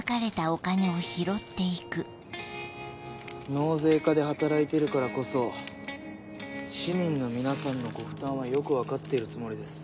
納税課で働いてるからこそ市民の皆さんのご負担はよく分かっているつもりです。